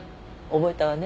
覚えたわね。